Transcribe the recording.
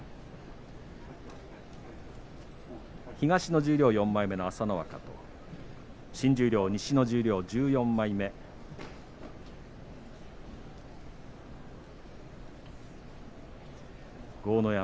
東の十両４枚目の朝乃若新十両西の十両１４枚目豪ノ山。